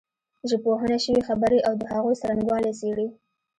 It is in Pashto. ژبپوهنه شوې خبرې او د هغوی څرنګوالی څېړي